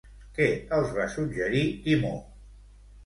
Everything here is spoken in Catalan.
Què els va suggerir Timó?